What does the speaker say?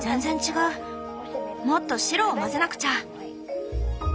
もっと白を混ぜなくちゃ。